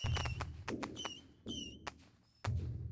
এটাই সমস্যা উনার, আতিফ।